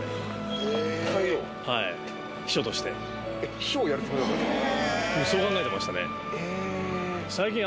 秘書をやるつもりだったんですか？